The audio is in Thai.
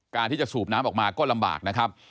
การที่จะสูบน้ำออกมาก็ลำบากนะครับ